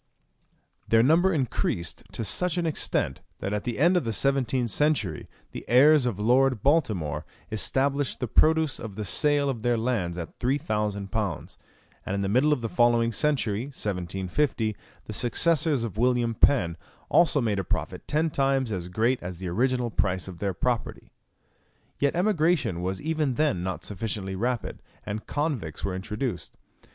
Their number increased to such an extent, that at the end of the seventeenth century the heirs of Lord Baltimore estimated the produce of the sale of their lands at three thousand pounds; and in the middle of the following century, 1750, the successors of William Penn also made a profit ten times as great as the original price of their property. Yet emigration was even then not sufficiently rapid, and convicts were introduced.